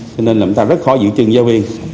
cho nên là chúng ta rất khó giữ chân giáo viên